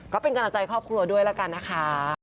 ก็เป็นกำลังใจครอบครัวด้วยแล้วกันนะคะ